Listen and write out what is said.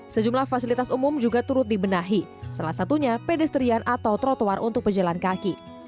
sejumlah fasilitas umum juga turut dibenahi salah satunya pedestrian atau trotoar untuk pejalan kaki